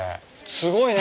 すごいね。